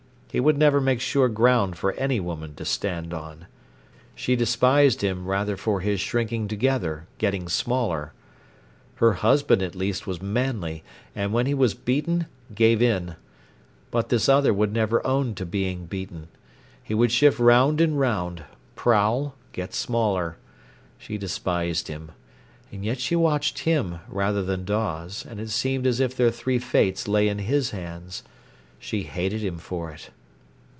He would never make sure ground for any woman to stand on. She despised him rather for his shrinking together, getting smaller. Her husband at least was manly, and when he was beaten gave in. But this other would never own to being beaten. He would shift round and round, prowl, get smaller. She despised him. And yet she watched him rather than Dawes, and it seemed as if their three fates lay in his hands. She hated him for it.